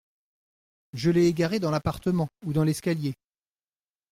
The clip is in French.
Je l’ai égaré dans l’appartement ou dans l’escalier…